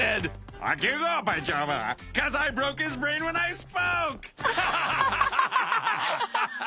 アハハハ！